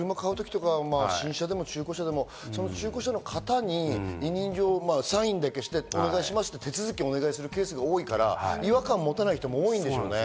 新車でも中古車でも、その方に委任状、サインだけしてお願いします、手続きをお願いするケースが多いから違和感を持たない人も多いんでしょうね。